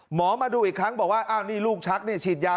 หมอมาดูอีกครั้งบอกว่าอ้าวนี่ลูกชักนี่ฉีดยา